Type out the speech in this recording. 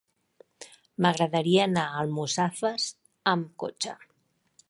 M'agradaria anar a Almussafes amb cotxe.